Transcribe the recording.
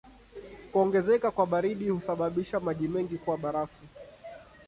Kuongezeka kwa baridi husababisha maji mengi kuwa barafu.